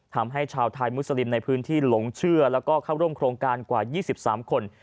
ทำให้ชาวไทยมุสลิมในพื้นที่หลงเชื่อแล้วก็เข้าร่วมโครงการกว่า๒๓คน